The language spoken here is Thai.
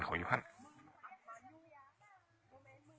เฮ้ยฮ่ามันเองในบ้านนี้บัตรปุศังนี้สิ